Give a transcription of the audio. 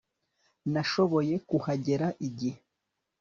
nashoboye kuhagera igihe